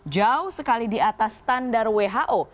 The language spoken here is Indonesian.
jauh sekali di atas standar who